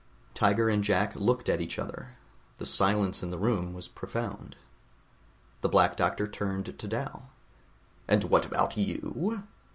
Tiger and Jack looked at each other. The silence in the room was profound. The Black Doctor turned to Dal. "And what about you?"